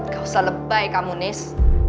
gak usah lebay kamu nis